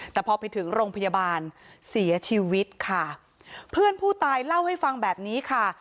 แต่พอไปถึงโรงพยาบาลเสียชีวิตค่ะเพื่อนผู้ตายเล่าให้ฟังแบบนี้ค่ะ